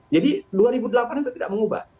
jadi dua ribu delapan itu tidak mengubah